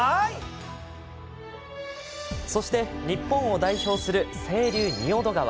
そして、日本を代表する清流・仁淀川。